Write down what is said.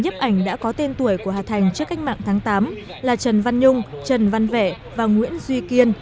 nhếp ảnh đã có tên tuổi của hà thành trước cách mạng tháng tám là trần văn nhung trần văn vẻ và nguyễn duy kiên